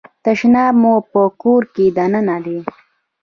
تشناب مو په کور کې دننه دی؟